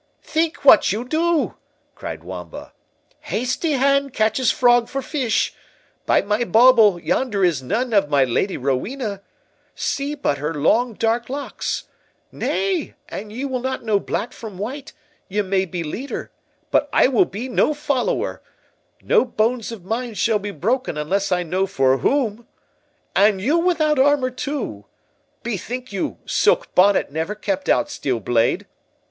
"Think what you do!" cried Wamba; "hasty hand catches frog for fish—by my bauble, yonder is none of my Lady Rowena—see but her long dark locks!—Nay, an ye will not know black from white, ye may be leader, but I will be no follower—no bones of mine shall be broken unless I know for whom.—And you without armour too!—Bethink you, silk bonnet never kept out steel blade.